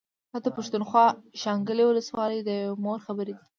دا د پښتونخوا د شانګلې ولسوالۍ د يوې مور خبرې دي